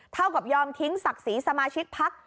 กับยอมทิ้งศักดิ์ศรีสมาชิกพัก